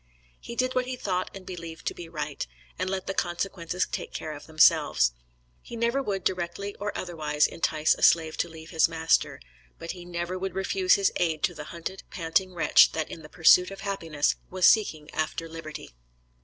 He did what he thought and believed to be right, and let the consequences take care of themselves. He never would directly or otherwise, entice a slave to leave his master; but he never would refuse his aid to the hunted, panting wretch that in the pursuit of happiness was seeking after liberty.